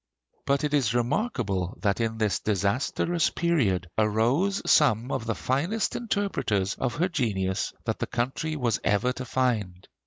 But it is remarkable that in this disastrous period arose some of the finest interpreters of her genius that the country was ever to find.